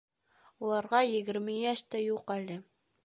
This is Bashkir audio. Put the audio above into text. Уларға егерме йәш тә юҡ әле.